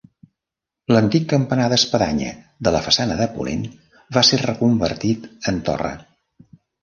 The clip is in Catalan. L'antic campanar d'espadanya de la façana de ponent va ser reconvertit en torre.